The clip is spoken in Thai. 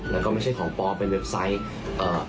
แล้วก็ไม่ใช่ของปอเป็นเว็บไซต์เอ่อ